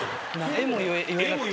「えっ」も言えなくて。